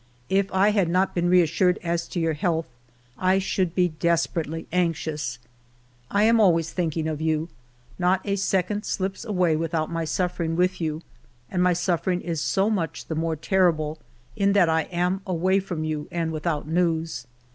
If I had not been reas sured as to your health I should be desperately anxious. ..." I am always thinking of you ; not a second slips away without my suffering with you, and my suffering is so much the more terrible in that I am away from you and without news.